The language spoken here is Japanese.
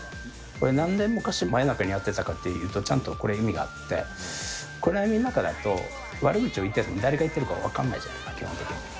なんで昔、真夜中にやってたかっていうと、これ、ちゃんと意味があって、暗闇の中だと、悪口を言っても誰が言ってるか分かんないじゃないですか、基本的に。